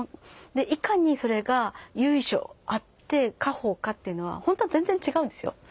いかにそれが由緒あって家宝かっていうのは本当は全然違うんですよ。